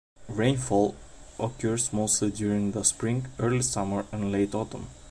Rainfall occurs mostly during the spring, early summer and late autumn.